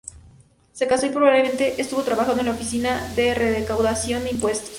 Se casó y probablemente estuvo trabajando en la oficina de recaudación de impuestos.